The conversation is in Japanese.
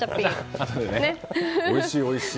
おいしい、おいしい。